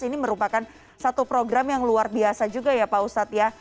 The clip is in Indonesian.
ini merupakan satu program yang luar biasa juga ya pak ustadz ya